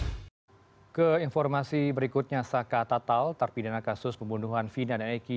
hai ke informasi berikutnya sakat atal terpindah kasus pembunuhan vina nike